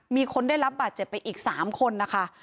มีคนได้รับบาดเจ็บไปอีก๓คนนะคะ